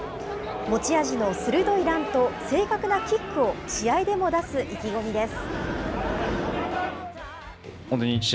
持ち味の鋭いランと正確なキックを試合でも出す意気込みです。